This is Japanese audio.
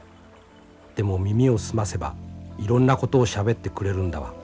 でも耳を澄ませばいろんなことをしゃべってくれるんだわ。